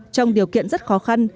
trong điều kiện rất khó khăn